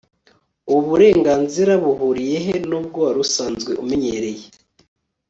ubu burenganzira buhuriye he n' ubwo wari usanzwe umenyereye